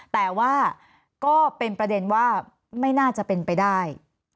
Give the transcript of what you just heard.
แต่ว่าก็เป็นประเด็นว่าไม่น่าจะเป็นไปได้